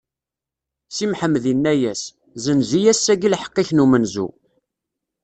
Si Mḥemmed inna-as: Zzenz-iyi ass-agi lḥeqq-ik n umenzu.